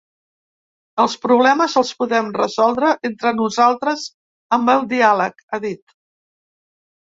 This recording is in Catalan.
Els problemes els podem resoldre entre nosaltres amb el diàleg, ha dit.